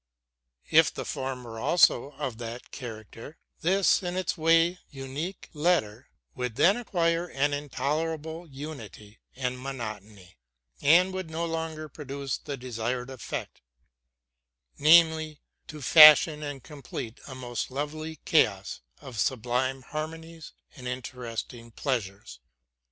If the form were also of that character, this, in its way, unique letter would then acquire an intolerable unity and monotony, and would no longer produce the desired effect, namely, to fashion and complete a most lovely chaos of sublime harmonies and interesting pleasures.